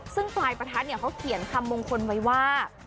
ซึ่งปลายประทัดเนี่ยเขาเขียนคำมงคลไว้ว่า